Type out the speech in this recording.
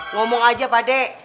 ngomong aja pak dek